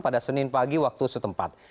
pada senin pagi waktu setempat